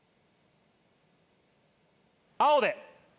青で。